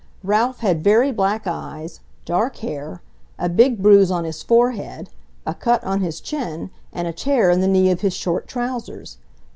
Ralph had very black eyes, dark hair, a big bruise on his forehead, a cut on his chin, and a tear in the knee of his short trousers.